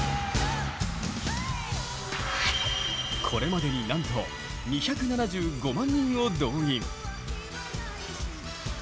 これまでになんと２７５万人を動員。